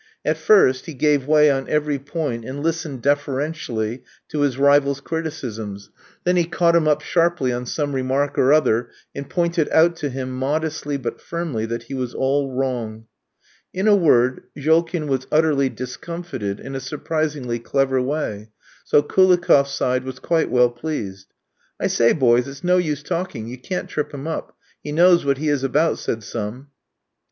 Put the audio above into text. At first he gave way on every point, and listened deferentially to his rival's criticisms, then he caught him up sharply on some remark or other, and pointed out to him modestly but firmly that he was all wrong. In a word, Jolkin was utterly discomfited in a surprisingly clever way, so Koulikoff's side was quite well pleased. "I say, boys, it's no use talking; you can't trip him up. He knows what he is about," said some.